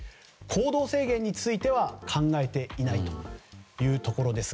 行動制限については考えていないというところです。